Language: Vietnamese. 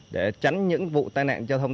để tránh những vụ tai nạn giao thông